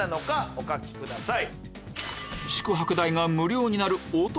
お書きください。